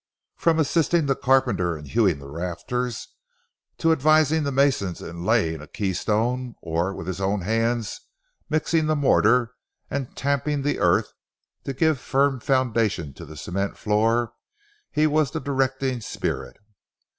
From assisting the carpenter in hewing the rafters, to advising the masons in laying a keystone, or with his own hands mixing the mortar and tamping the earth to give firm foundation to the cement floor, he was the directing spirit.